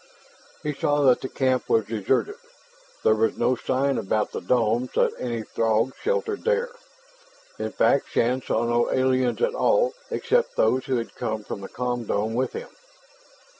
He saw that the camp was deserted. There was no sign about the domes that any Throgs sheltered there. In fact, Shann saw no aliens at all except those who had come from the com dome with him.